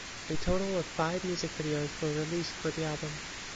A total of five music videos were released for the album.